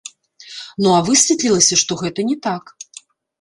Ну а высветлілася, што гэта не так.